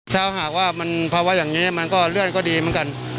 ถ้าหากว่ามันภาวะอย่างนี้มันก็เลื่อนก็ดีเหมือนกัน